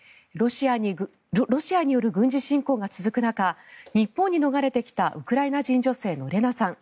ロシアによる軍事侵攻が続く中日本に逃れてきたウクライナ人女性のレナさん。